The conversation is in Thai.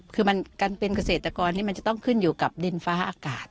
คือการเป็นเกษตรกรนี่มันจะต้องขึ้นอยู่กับดินฟ้าอากาศ